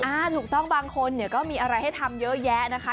ถูกต้องบางคนเนี่ยก็มีอะไรให้ทำเยอะแยะนะคะ